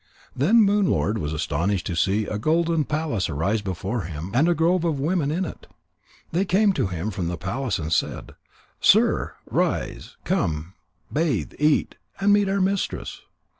Then Moon lord was astonished to see a golden palace rise before him and a grove with women in it. They came to him from the palace and said: "Sir, rise, come, bathe, eat, and meet our mistress."